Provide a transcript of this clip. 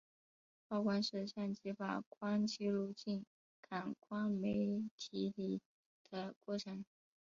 曝光是相机把光记录进感光媒体里的过程。